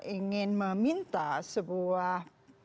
ingin meminta sebuah